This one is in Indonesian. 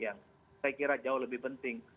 yang saya kira jauh lebih penting